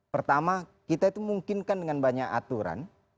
pertama kita itu mungkinkan dengan banyak aturan